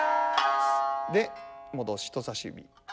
で戻して人さし指。